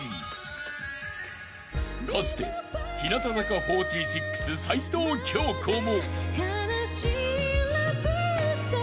［かつて日向坂４６齊藤京子も］